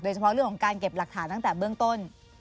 เฉพาะเรื่องของการเก็บหลักฐานตั้งแต่เบื้องต้น